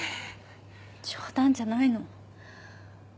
冗談じゃないの。